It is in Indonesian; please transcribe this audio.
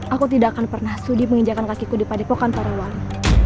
aku tidak akan pernah sudi menginjakan kakiku di padepokan para wali